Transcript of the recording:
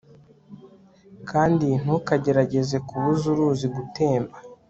kandi ntukagerageze kubuza uruzi gutemba